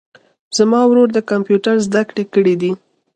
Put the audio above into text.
زما ورور د کمپیوټر زده کړي کړیدي